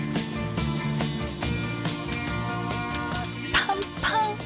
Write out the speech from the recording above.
パンパン！